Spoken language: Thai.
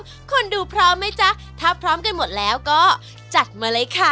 ทุกคนดูพร้อมไหมจ๊ะถ้าพร้อมกันหมดแล้วก็จัดมาเลยค่ะ